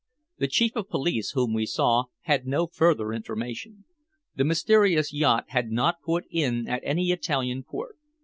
The Chief of Police, whom we saw, had no further information. The mysterious yacht had not put in at any Italian port.